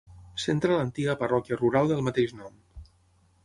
Centra l'antiga parròquia rural del mateix nom.